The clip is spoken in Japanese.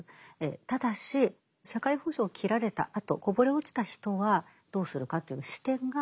ただし社会保障を切られたあとこぼれ落ちた人はどうするかという視点がここにはないと。